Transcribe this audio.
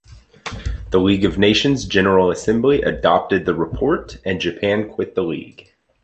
The League of Nations General Assembly adopted the report, and Japan quit the League.